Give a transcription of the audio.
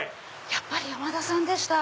やっぱり山田さんでした。